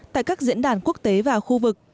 tại các diễn đàn quốc tế và khu vực